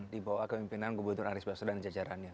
di bawah kemimpinan gubernur aris baso dan jajarannya